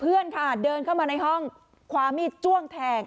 เพื่อนค่ะเดินเข้ามาในห้องคว้ามีดจ้วงแทง